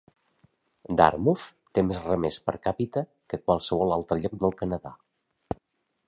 Dartmouth té més remers per càpita que qualsevol altre lloc del Canadà.